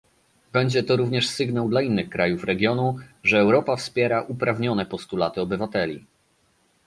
Będzie to również sygnał dla innych krajów regionu, że Europa wspiera uprawnione postulaty obywateli